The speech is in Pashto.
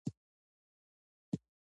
ږغونه مو اورېدل، چې لاندې رالوېدل.